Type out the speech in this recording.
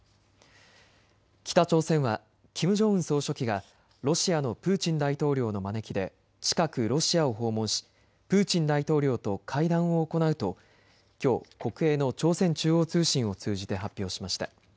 北朝鮮はキム・ジョンウン総書記がロシアのプーチン大統領の招きで近くロシアを訪問しプーチン大統領と会談を行うときょう国営の朝鮮中央通信を通じて発表しました。